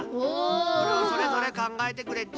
これをそれぞれかんがえてくれっち。